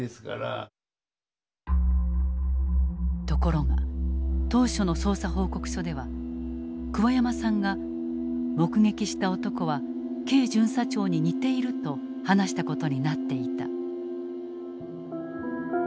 ところが当初の捜査報告書では桑山さんが「目撃した男はＫ巡査長に似ている」と話した事になっていた。